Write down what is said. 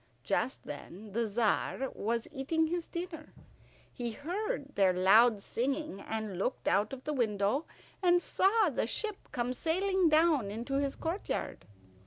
Just then the Tzar was eating his dinner. He heard their loud singing, and looked out of the window and saw the ship come sailing down into his courtyard.